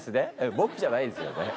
僕じゃないですよね。